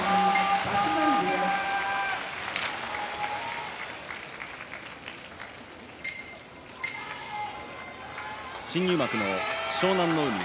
立浪部屋新入幕の湘南乃海。